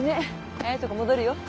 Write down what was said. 早いとこ戻るよ。